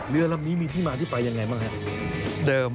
เรือลำนี้มีที่มาที่ไปยังไงบ้างครับ